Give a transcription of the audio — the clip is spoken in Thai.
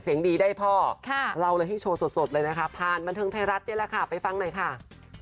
เสียงดีได้พ่อเราเลยให้โชว์สดเลยนะคะผ่านบันเทิงไทยรัฐนี่แหละค่ะไปฟังหน่อยค่ะ